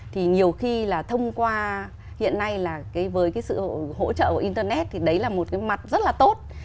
thì nhiều khi là thông qua hiện nay là với cái sự hỗ trợ của internet thì đấy là một cái mặt rất là tốt